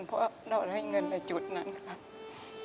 เพราะเราได้เงินไปจุดนั้นค่ะ